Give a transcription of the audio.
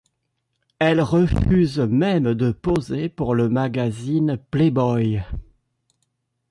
Elle refuse même de poser pour le magazine Playboy.